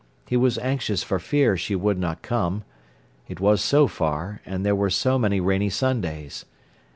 He was anxious for fear she would not come: it was so far, and there were so many rainy Sundays.